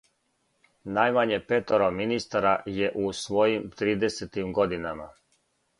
Најмање петоро министара је у својим тридесетим годинама.